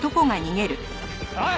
おい！